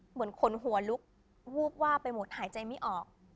เหมือนขนหัวลุกวูบวาบไปหมดหายใจไม่ออก